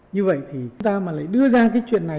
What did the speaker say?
như vậy thì chúng ta mà lại đưa ra cái chuyện này